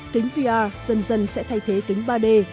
kính vr dần dần sẽ thay thế kính ba d